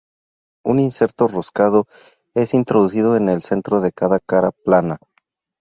Un inserto roscado es introducido en el centro de cada cara plana.